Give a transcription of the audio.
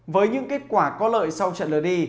với những kết quả có lợi sau trận lượt đi